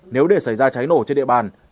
nếu để xảy ra cháy nổ trên địa bàn